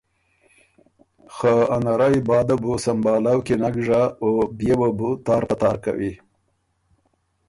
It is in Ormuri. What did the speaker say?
خه ا نرئ باده بُو سمبهالؤ کی نک ژۀ او بيې وه بُو تار په تار کوی۔